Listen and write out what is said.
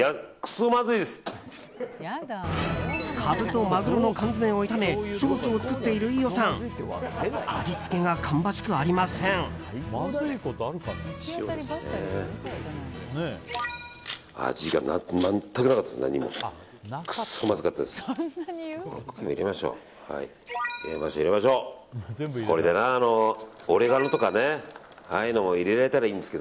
くそまずかったです。